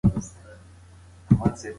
ورزش د بدن انرژي ساتي.